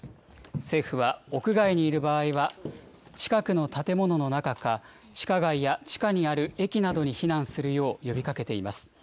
政府は屋外にいる場合は、近くの建物の中か、地下街や地下にある駅などに避難するよう呼びかけています。